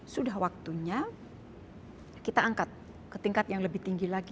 sudah waktunya kita angkat ke tingkat yang lebih tinggi lagi